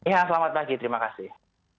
ya selamat pagi terima kasih